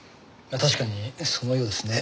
確かにそのようですね。